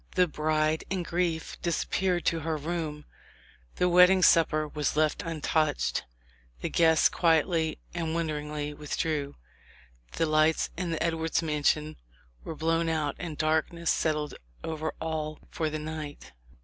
The bride, in grief, disappeared to her room ; the wedding supper was left untouched ; the guests quietly and wonderingly withdrew ; the lights in the Edwards mansion were blown out, and dark THE LIFE OF LINCOLN. 215 ness settled over all for the night.